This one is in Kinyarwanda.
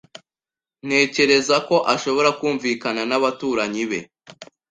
Ntekereza ko ashobora kumvikana n'abaturanyi be.